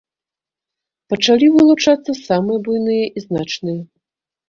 Пачалі вылучацца самыя буйныя і значныя.